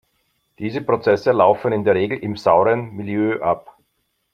Diese Prozesse laufen in der Regel im sauren Milieu ab.